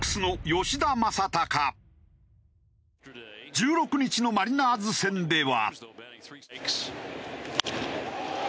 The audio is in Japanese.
１６日のマリナーズ戦では。